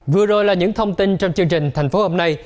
vừa rồi là những thông tin trong chương trình thành phố hôm nay